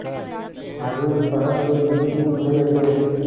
அது பரப்பு மிகுதி உடையது.